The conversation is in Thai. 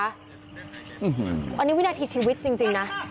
อันนี้วินาทีชีวิตจริงนะ